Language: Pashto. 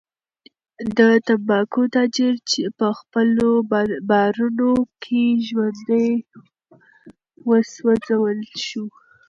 د تنباکو تاجر په خپلو بارونو کې ژوندی وسوځول شو.